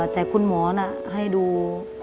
แต่คุณหมอน่ะให้ดู